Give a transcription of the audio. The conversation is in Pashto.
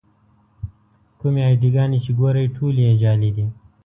کومې اې ډي ګانې چې ګورئ ټولې یې جعلي دي.